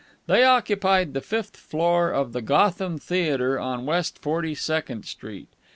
They occupied the fifth floor of the Gotham Theatre on West Forty second Street.